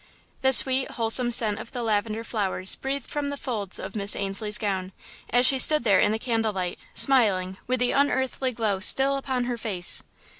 The sweet, wholesome scent of the lavender flowers breathed from the folds of Miss Ainslie's gown, as she stood there in the candle light, smiling, with the unearthly glow still upon her face.